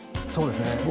そうですね